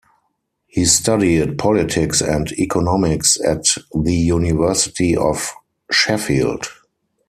He studied politics and economics at the University of Sheffield.